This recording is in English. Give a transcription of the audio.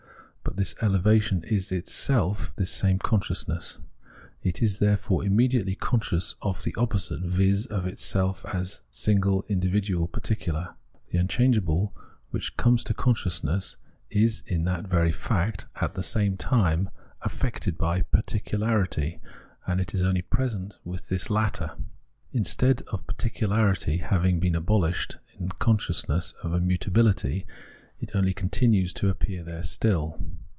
But this elevation is itself this same consciousness. It is, therefore, immediately conscious ness of the opposite, viz. of itself as single, individual, particular. The unchangeable, which comes to con sciousness, is in that very fact at the same time affected by particularity, and is only present with this latter. Instead of particularity having been abohshed in the consciousness of immutabihty, it only continues to appear there still.